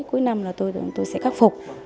cuối năm là tôi sẽ khắc phục